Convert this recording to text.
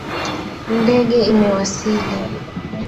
Ndege imewasili